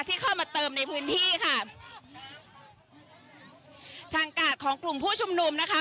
ที่เข้ามาเติมในพื้นที่ค่ะทางกาดของกลุ่มผู้ชุมนุมนะคะ